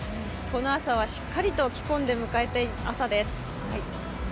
この朝はしっかりと着込んで迎えたい朝です。